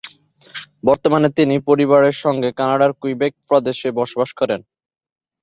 বর্তমানে তিনি পরিবারের সঙ্গে কানাডার কুইবেক প্রদেশে বসবাস করছেন।